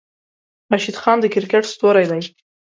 راشد خان د کرکیټ ستوری دی.